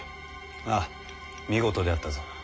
ああ見事であったぞ。